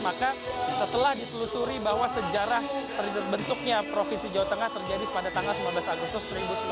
maka setelah ditelusuri bahwa sejarah terbentuknya provinsi jawa tengah terjadi pada tanggal sembilan belas agustus seribu sembilan ratus empat puluh